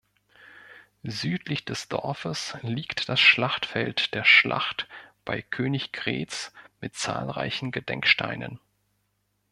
Südlich des Dorfes liegt das Schlachtfeld der Schlacht bei Königgrätz mit zahlreichen Gedenksteinen.